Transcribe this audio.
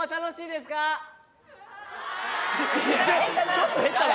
ちょっと減ったな。